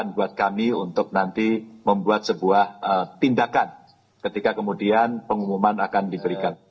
buat kami untuk nanti membuat sebuah tindakan ketika kemudian pengumuman akan diberikan